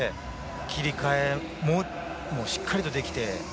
切り替えもしっかりできて。